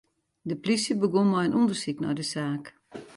De polysje begûn mei in ûndersyk nei de saak.